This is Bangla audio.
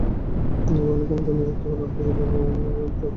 এ বাহিনীর কমান্ডার নিযুক্ত করেন হযরত আবু আমের রাযিয়াল্লাহু আনহু-কে।